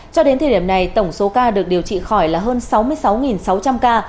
cho đến thời điểm này tổng số ca được điều trị khỏi là hơn sáu mươi sáu sáu trăm linh ca